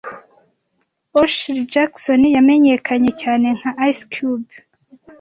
O'Shey Jackson yamenyekanye cyane nka Ice Cube